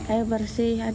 air bersih ada